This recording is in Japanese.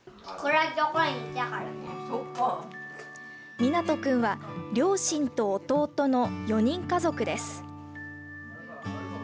海那人君は両親と弟の４人家族です。